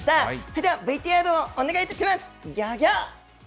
それではＶＴＲをお願いいたします。